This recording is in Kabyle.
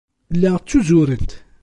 La ttuzurent.